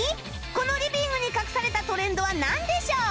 このリビングに隠されたトレンドはなんでしょう？